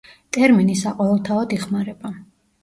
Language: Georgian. ტერმინი საყოველთაოდ იხმარება.